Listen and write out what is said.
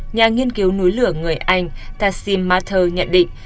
nhà nghiên cứu núi lửa người anh tassim mather nhận định